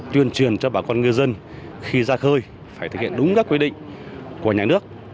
tuyên truyền cho bà con ngư dân khi ra khơi phải thực hiện đúng các quy định của nhà nước